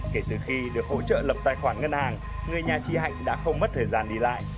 kể từ khi được hỗ trợ lập tài khoản ngân hàng người nhà chị hạnh đã không mất thời gian đi lại